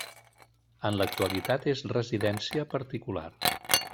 En l'actualitat és residència particular.